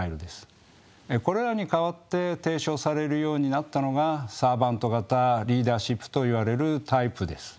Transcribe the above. これらに代わって提唱されるようになったのがサーバント型リーダーシップといわれるタイプです。